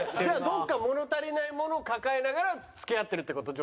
じゃあどこか物足りないものを抱えながら付き合ってるって事？